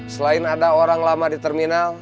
selain ada orang lama di terminal